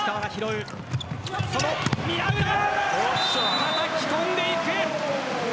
宮浦、たたき込んでいく。